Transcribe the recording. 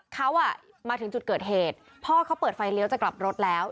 เขามาถึงจุดเกิดเหตุพ่อเขาเปิดไฟเลี้ยวจะกลับรถแล้ว